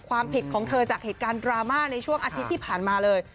ความผิดของเธอจากเหตุการณ์ดราม่าในช่วงอาทิตย์ที่ผ่านมาเลย